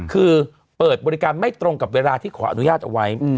คือเปิดบริการไม่ตรงกับเวลาที่ขออนุญาตเอาไว้